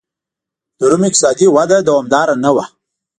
د روم اقتصادي وده دوامداره نه وه.